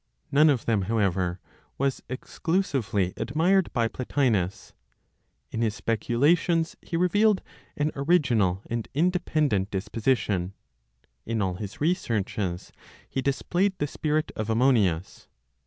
None of them, however, was exclusively admired by Plotinos. In his speculations he revealed an original and independent disposition. In all his researches he displayed the spirit of Ammonius.